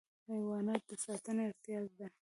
حیوانات د ساتنې اړتیا لري.